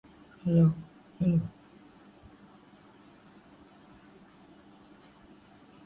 O'Brien managed four appearances for Swindon before suffering a hamstring injury in August.